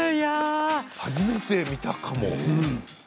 初めて見たかも。